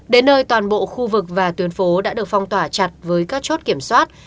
đến nơi toàn bộ khu vực và tuyến phố đã được phong tỏa chặt với các chốt kiểm soát